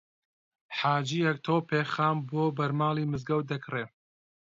حاجییەک تۆپێک خام بۆ بەرماڵی مزگەوت دەکڕێ